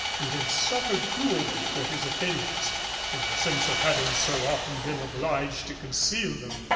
He has suffered cruelly for his opinions, in the sense of having so often been obliged to conceal them.